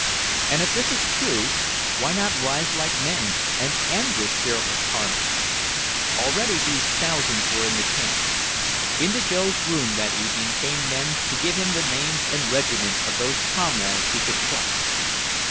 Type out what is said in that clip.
And if this is true why not rise like men and end this fearful carnage?" Already these thousands were in the camps. Into Joe's room that evening came men to give him the names and regiments of those comrades he could trust.